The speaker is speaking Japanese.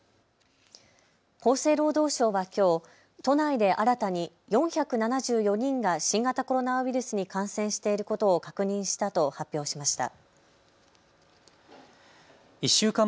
厚生労働省はきょう都内で新たに４７４人が新型コロナウイルスに感染していることを確認したと発表しました。